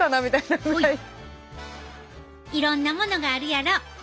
いろんなものがあるやろ。